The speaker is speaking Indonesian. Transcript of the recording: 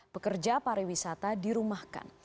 pekerja pariwisata dirumahkan